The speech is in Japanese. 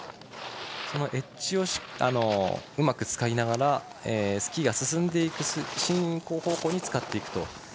エッジをうまく使いながらスキーが進んでいく進行方向に使っていくと。